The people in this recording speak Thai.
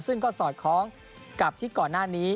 ซึ่งก็สอดคล้องกับที่ก่อนหน้านี้